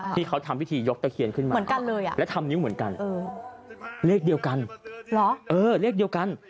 ที่เขาทำวิธียกตะเคียนขึ้นมาและทำนิ้วเหมือนกันเรียกเดียวกันเรียกเดียวกัน